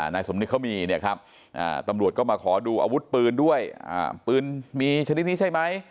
นายสมนึกเขามีเนี่ยครับตำรวจก็มาขอดูอาวุธปืนด้วยปืนมีชนิดนี้ใช่ไหม